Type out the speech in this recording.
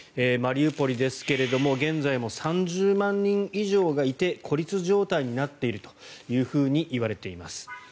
マリウポリですが現在も３０万人以上がいて孤立状態になっているといわれています。